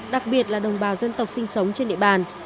đặc biệt là đồng bào dân tộc sinh sống trên địa bàn